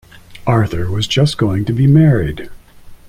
Arthur was just going to be married.